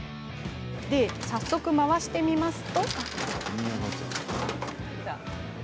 早速、回してみると。